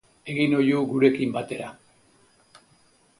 Egin oihu gurekin batera!